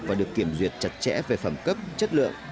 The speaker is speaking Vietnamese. và được kiểm duyệt chặt chẽ về phẩm cấp chất lượng